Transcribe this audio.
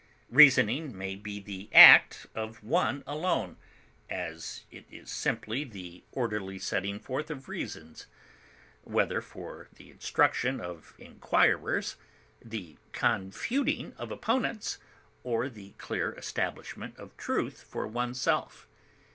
Reasoning may be the act of one alone, as it is simply the orderly setting forth of reasons, whether for the instruction of inquirers, the confuting of opponents, or the clear establishment of truth for oneself.